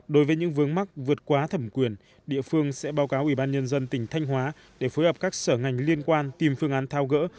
đối với những vướng mắc vượt quá thẩm quyền địa phương sẽ báo cáo ủy ban nhân dân tỉnh thanh hóa để phối hợp các sở ngành liên quan tìm phương án thao gỡ